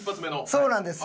そうなんです！